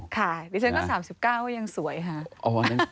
ค่ะดิฉันก็๓๙ว่ายังสวยฮะ